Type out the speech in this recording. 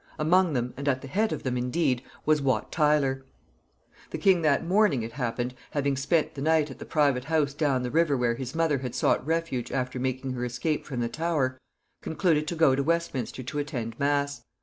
Among them, and at the head of them, indeed, was Wat Tyler. The king that morning, it happened, having spent the night at the private house down the river where his mother had sought refuge after making her escape from the Tower, concluded to go to Westminster to attend mass.